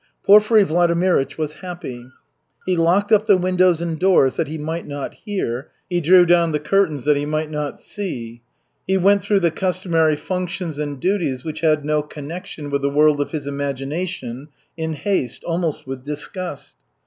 Porfiry Vladimirych was happy. He locked up the windows and doors that he might not hear, he drew down the curtains that he might not see. He went through the customary functions and duties which had no connection with the world of his imagination, in haste, almost with disgust.